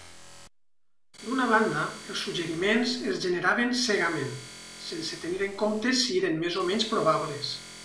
D'una banda, els suggeriments es generaven “cegament”, sense tenir en compte si eren més o menys probables.